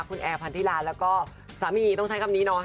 คุณแอร์พันธิลาแล้วก็สามีต้องใช้คำนี้เนาะ